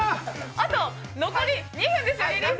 あと残り２分です。